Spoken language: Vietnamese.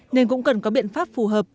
nên cũng cần có biện pháp phù hợp